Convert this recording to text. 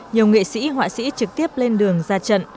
nhiều nghệ sĩ họa sĩ trực tiếp lên đường ra trận